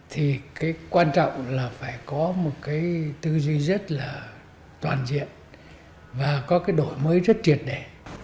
thì cái quan trọng là phải có một cái tư duy rất là toàn diện và có cái đổi mới rất triệt đẻ